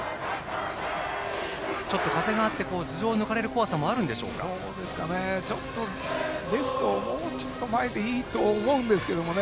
ちょっと風があって頭上を抜かれる怖さもレフトをもうちょっと前でいいと思うんですけどね。